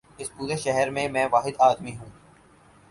اس پورے شہر میں، میں واحد آدمی ہوں۔